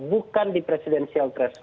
bukan di presidensial threshold